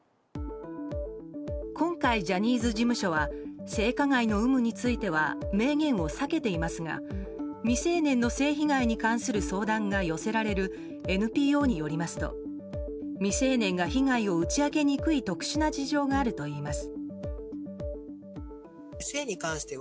今回ジャニーズ事務所は性加害の有無については明言を避けていますが未成年の性被害に関する相談が寄せられるＮＰＯによりますと未成年が被害を打ち明けにくい特殊な事情があるといいます。